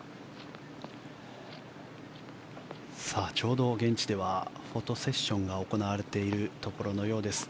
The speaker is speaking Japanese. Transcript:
ちょうど現地ではフォトセッションが行われているところのようです。